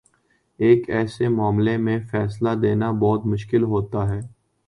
ایک ایسے معاملے میں فیصلہ دینا بہت مشکل ہوتا ہے۔